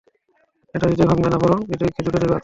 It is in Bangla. এটা হৃদয় ভাঙ্গবে না, বরং হৃদয়কে জুড়ে দেবে, - আচ্ছা।